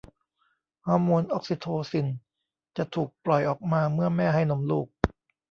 ฮอร์โมนออกซิโทซินจะถูกปล่อยออกมาเมื่อแม่ให้นมลูก